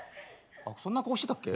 あっそんな顔してたっけ？